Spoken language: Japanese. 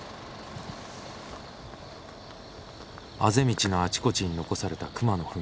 あぜ道のあちこちに残された熊の糞。